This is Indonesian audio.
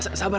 apa sih man